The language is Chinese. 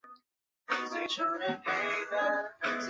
海南雀舌木为大戟科雀舌木属下的一个种。